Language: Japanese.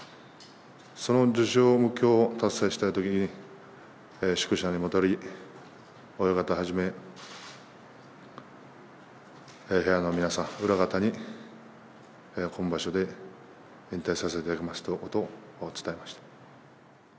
その１０勝目標を達成したとき、宿舎に戻り、親方はじめ部屋の皆さん、裏方に、今場所で引退させていただきますということを伝えました。